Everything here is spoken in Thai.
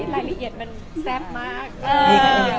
รายละเอียดมันแซ่บมาก